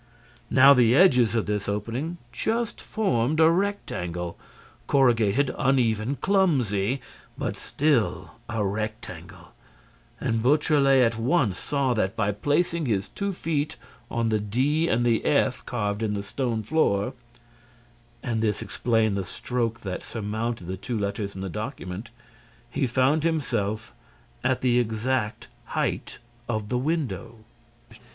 Now the edges of this opening just formed a rectangle: corrugated, uneven, clumsy, but still a rectangle; and Beautrelet at once saw that, by placing his two feet on the D and the F carved in the stone floor—and this explained the stroke that surmounted the two letters in the document—he found himself at the exact height of the window!